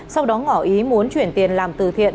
sau đó ngỏ ý muốn chuyển tiền làm từ thiện